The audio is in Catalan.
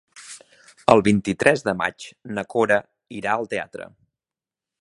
El vint-i-tres de maig na Cora irà al teatre.